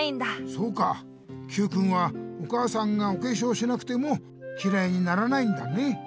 そうかＱくんはお母さんがおけしょうしなくてもきらいにならないんだね。